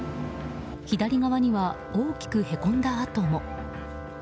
左側には大きくへこんだ跡も。